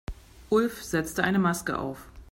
Ulf setzte eine Maske auf.